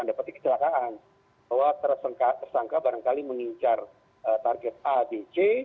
dan anda berpikir kecelakaan bahwa tersangka barangkali mengincar target a b c